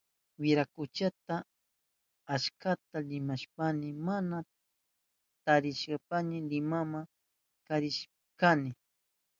Wirakuchata achkata liwishpayni mana tarishpayni liwiwa kiparishkani.